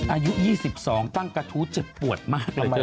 อายุ๒๒ตั้งกระทู้เจ็บปวดมากเลย